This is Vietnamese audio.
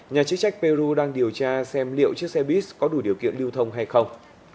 nhà chức trách peru đang điều tra xem liệu chiếc xe bus có đủ điều kiện lưu thông hay không